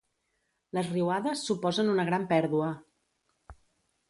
Les riuades suposen una gran pèrdua.